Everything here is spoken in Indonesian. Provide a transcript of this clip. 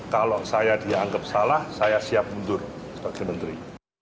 kalau saya dianggap salah saya siap mundur sebagai menteri